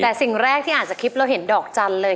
แต่สิ่งแรกที่อาจจะคิดเราเห็นดอกจันเลย